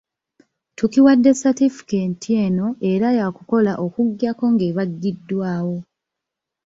Tukiwadde satifikeeti eno era yaakukola okuggyako ng'ebaggiddwako.